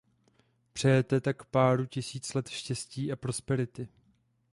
Přeje tak páru tisíc let štěstí a prosperity.